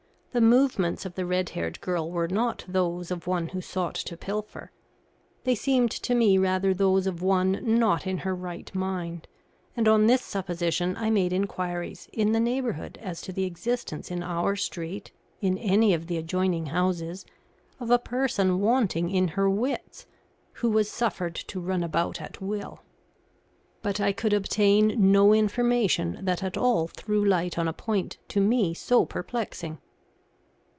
The movements of the red haired girl were not those of one who sought to pilfer. They seemed to me rather those of one not in her right mind; and on this supposition I made inquiries in the neighbourhood as to the existence in our street, in any of the adjoining houses, of a person wanting in her wits, who was suffered to run about at will. But I could obtain no information that at all threw light on a point to me so perplexing.